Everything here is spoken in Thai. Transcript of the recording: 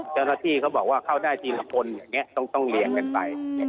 เจ้าหน้าที่เขาบอกว่าเข้าได้ทีละคนอย่างนี้ต้องเลี้ยงกันไป